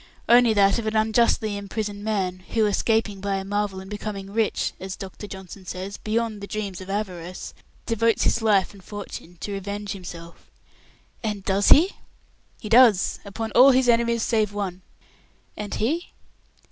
"Only that of an unjustly imprisoned man, who, escaping by a marvel, and becoming rich as Dr. Johnson says, 'beyond the dreams of avarice' devotes his life and fortune to revenge himself." "And does he?" "He does, upon all his enemies save one." "And he